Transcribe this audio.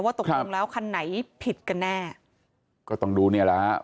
ตกลงแล้วคันไหนผิดกันแน่ก็ต้องดูเนี่ยแหละฮะ